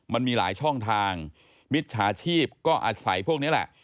มันมีหลายช่องทางมิจฉาชีพก็อาศัยพวกนี้แหละ